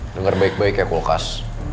dengar baik baik ya kulkas